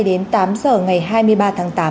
đến tám giờ ngày hai mươi ba tháng tám